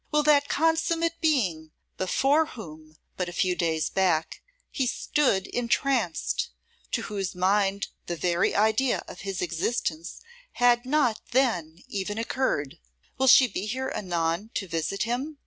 Will that consummate being before whom, but a few days back, he stood entranced; to whose mind the very idea of his existence had not then even occurred; will she be here anon to visit him?